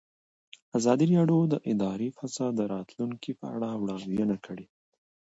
ازادي راډیو د اداري فساد د راتلونکې په اړه وړاندوینې کړې.